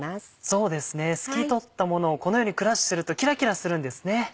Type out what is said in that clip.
そうですね透き通ったものをこのようにクラッシュするとキラキラするんですね